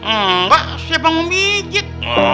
enggak siapa mau mijit